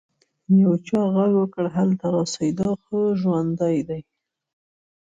يو چا ږغ وکړ هلته راسئ دا خو ژوندى دى.